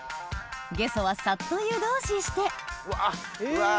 ゲソはさっと湯通ししてうわっうわ